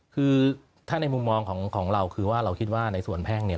คือถ้าในมุมมองของเราคือว่าเราคิดว่าในส่วนแพ่งเนี่ย